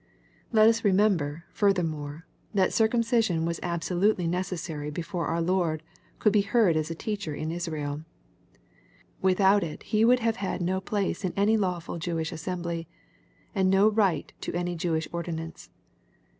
Let us remember, furthermore, that circumcision was absolutely necessary before our Lord could be heard as a teacher in Israel Without it he would have had no place in any lawful Jewish assembly, and no right to any Jewish ordinance.